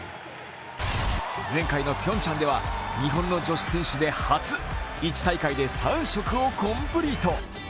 前回のピョンチャンでは日本の女子選手で初、１大会で３色をコンプリート。